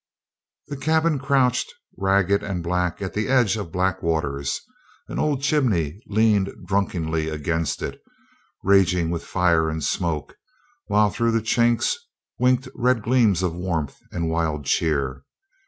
The cabin crouched ragged and black at the edge of black waters. An old chimney leaned drunkenly against it, raging with fire and smoke, while through the chinks winked red gleams of warmth and wild cheer.